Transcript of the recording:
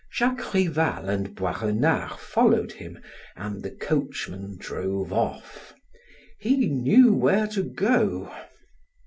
Jacques Rival and Boisrenard followed him, and the coachman drove off. He knew where to go.